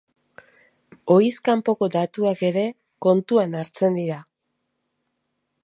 Ohiz kanpoko datuak ere kontuan hartzen dira.